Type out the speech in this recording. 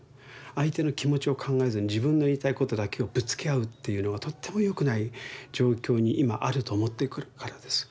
相手の気持ちを考えずに自分の言いたいことだけをぶつけ合うっていうのがとってもよくない状況に今あると思っているからです。